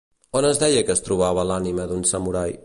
On es deia que es trobava l'ànima d'un samurai?